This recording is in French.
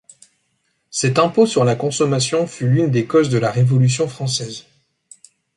Cet impôt sur la consommation fut l'une des causes de la Révolution française.